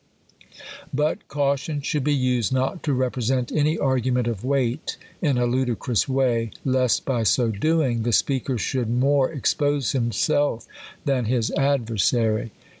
But caution should be used not to represent any ar gument of weight in a ludicrous way, lest by so doing ♦be speaker shouki more expose himself than his adver sary. THE COLUMBIAN ORATOR. 27 saiy.